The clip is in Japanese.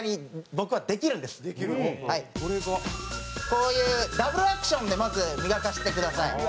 「こういうダブルアクションでまず磨かせてください」